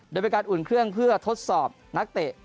โดยเป็นการอุ่นเครื่องเพื่อทดสอบนักเตะ